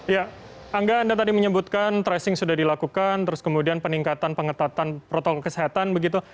ya angga anda tadi menyebutkan tracing sudah dilakukan terus kemudian peningkatan pengetatan protokol kesehatan begitu